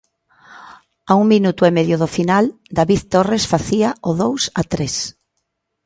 A un minuto e medio do final, David Torres facía o dous a tres.